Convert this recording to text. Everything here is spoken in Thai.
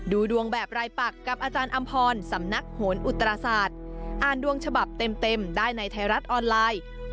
ดูดวงแบบรายปักกับอาจารย์อำพรสำนักโหนอุตราศาสตร์อ่านดวงฉบับเต็มได้ในไทยรัฐออนไลน์